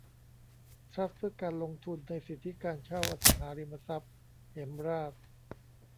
ทรัสต์เพื่อการลงทุนในสิทธิการเช่าอสังหาริมทรัพย์เหมราช